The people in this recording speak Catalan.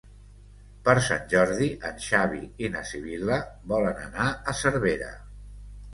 Per Sant Jordi en Xavi i na Sibil·la volen anar a Cervera.